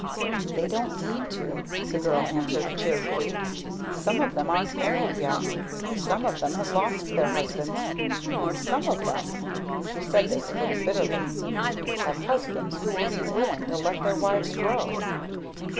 "They don't need to," the girl answered cheerfully. "Some of them aren't married yet; some of them have lost their husbands, and some of them" she said this a little bitterly "have husbands who will be willing to let their wives grow."